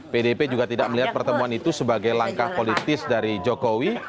pdip juga tidak melihat pertemuan itu sebagai langkah politis dari jokowi